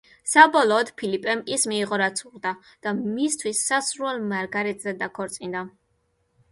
საბოლოოდ ფილიპემ ის მიიღო რაც სურდა და მისთვის სასურველ მარგარეტზე დაქორწინდა.